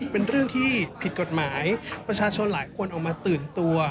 เป็นเรื่องที่ผิดกฎหมายประชาชนหลายคนออกมาตื่นตัว